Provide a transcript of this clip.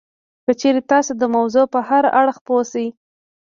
که چېرې تاسې د موضوع په هر اړخ پوه شئ